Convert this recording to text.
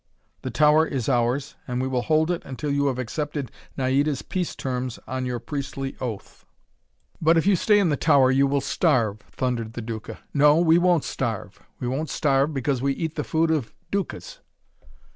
The tower is ours, and we will hold it until you have accepted Naida's peace terms on your priestly oath!" "But if you stay in the tower you will starve!" thundered the Duca. "No, we won't starve! We won't starve because we eat the food of Ducas!"